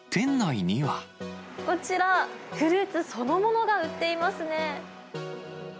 こちら、フルーツそのものが売っていますね。